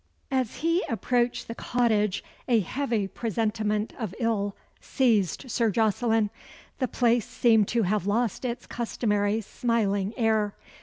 As he approached the cottage a heavy presentiment of ill seized Sir Jocelyn. The place seemed to have lost its customary smiling air.